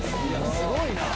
すごいな！